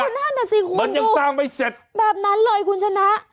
นั่นน่ะสิคุณมันยังสร้างไม่เสร็จแบบนั้นเลยคุณชนะ